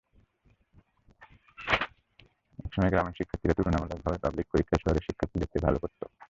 একসময় গ্রামের শিক্ষার্থীরা তুলনামূলকভাবে পাবলিক পরীক্ষায় শহুরে শিক্ষার্থীদের চেয়ে ভালো করত।